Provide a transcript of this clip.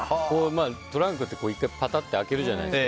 トランクって１回ぱたって開けるじゃないですか。